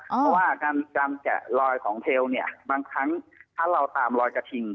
เพราะว่าการแกะลอยของเทลเนี่ยบางครั้งถ้าเราตามรอยกระทิง